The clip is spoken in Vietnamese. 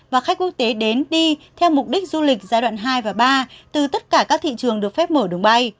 và khách quốc tế đến đi theo mục đích du lịch giai đoạn hai và ba từ tất cả các thị trường được phép mở đường bay